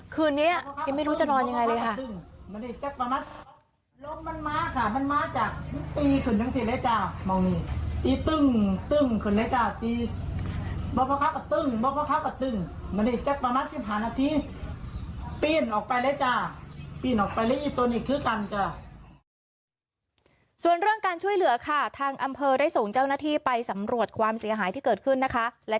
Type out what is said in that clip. คืนนี้ยังไม่รู้จะนอนยังไงเลยค่ะ